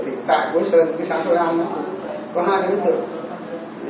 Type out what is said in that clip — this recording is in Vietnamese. cái sát quế sơn cái sát quế anh có hai đối tượng